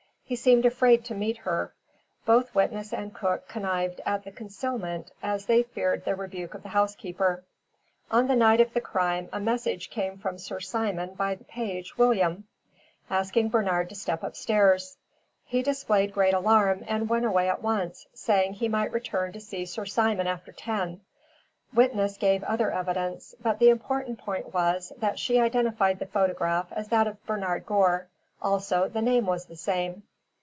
He seemed afraid to meet her. Both witness and cook connived at the concealment as they feared the rebuke of the housekeeper. On the night of the crime a message came from Sir Simon by the page, William, asking Bernard to step upstairs. He displayed great alarm, and went away at once, saying he might return to see Sir Simon after ten. Witness gave other evidence, but the important point was, that she identified the photograph as that of Bernard Gore. Also the name was the same.